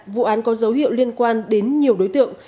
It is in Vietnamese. vụ án có dấu hiệu liên quan đến nhiều đối tượng